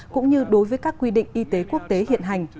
cũng như đối với các quy định y tế quốc tế hiện hành